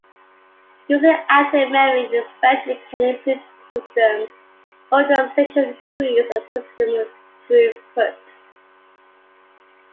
Using Active Memory Expansion can improve system utilization and increase a system's throughput.